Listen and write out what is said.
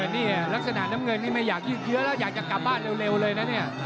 แต่นี่ลักษณะน้ำเงินนี่ไม่อยากยืดเยอะแล้วอยากจะกลับบ้านเร็วเลยนะเนี่ย